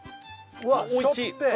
うわしょっぺえ。